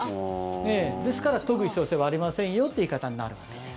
ですから、研ぐ必要性はありませんよという言い方になるわけです。